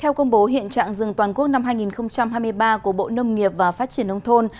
theo công bố hiện trạng rừng toàn quốc năm hai nghìn hai mươi ba của bộ nông nghiệp và phát triển nông thôn